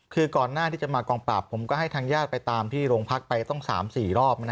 คือก่อนหน้าที่จะมากองปราบผมก็ให้ทางญาติไปตามที่โรงพักไปต้อง๓๔รอบ